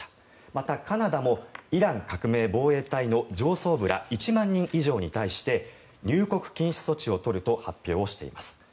また、カナダもイラン革命防衛隊の上層部ら１万人以上に対して入国禁止措置を取ると発表しています。